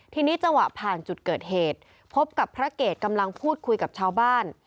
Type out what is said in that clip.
ทีนี้จังหวะผ่านจุดเกิดเหตุพบกับพระเกตกำลังพูดคุยกับชาวบ้าน